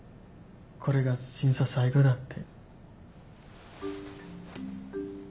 これが審査最後だって。